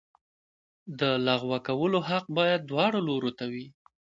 د لغوه کولو حق باید دواړو لورو ته وي.